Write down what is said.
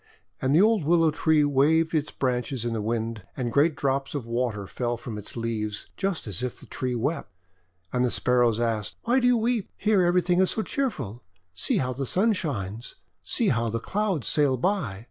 And the old Willow Tree waved its branches in the Wind, and great drops of water fell from its green leaves, just as if the tree wept. And the Sparrows asked: "Why do you weep? Here everything is so cheerful! See how the Sun shines. See how the Clouds sail by.